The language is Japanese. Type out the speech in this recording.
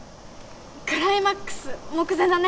クライマックス目前だね。